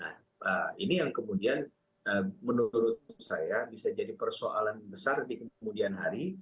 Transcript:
nah ini yang kemudian menurut saya bisa jadi persoalan besar di kemudian hari